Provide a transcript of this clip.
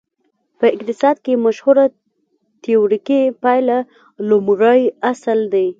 په اقتصاد کې مشهوره تیوریکي پایله لومړی اصل دی.